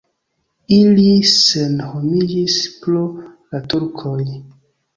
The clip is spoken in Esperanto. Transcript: Ili senhomiĝis pro la turkoj.